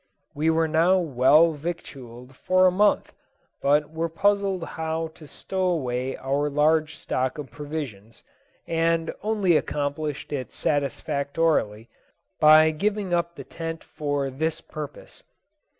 We were now well victualled for a month, but were puzzled how to stow away our large stock of provisions, and only accomplished it satisfactorily by giving up the tent for this purpose.